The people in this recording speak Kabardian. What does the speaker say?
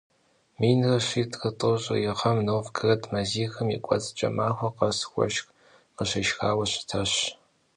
Минрэ щитӏрэ тӏощӏрэ и гъэм Новгород мазихым и кӏуэцӏкӏэ махуэ къэс уэшх къыщешхауэ щытащ.